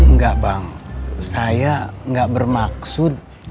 enggak bang saya gak bermaksud